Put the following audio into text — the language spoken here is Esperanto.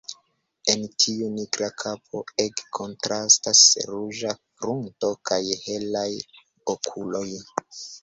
En tiu nigra kapo ege kontrastas ruĝa frunto kaj helaj okuloj.